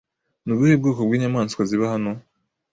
Ni ubuhe bwoko bw'inyamaswa ziba hano?